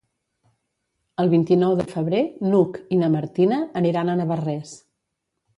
El vint-i-nou de febrer n'Hug i na Martina aniran a Navarrés.